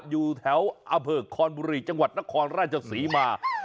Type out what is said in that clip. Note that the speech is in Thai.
อยู่แถวอำเภอคอนบุรีจังหวัดนครราชศรีมา